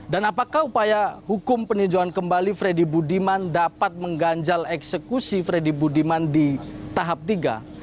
dan apakah upaya hukum peninjauan kembali freddy budiman dapat mengganjal eksekusi freddy budiman di tahap tiga